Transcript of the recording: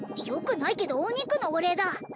よくないけどお肉のお礼だ！